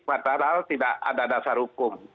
padahal tidak ada dasar hukum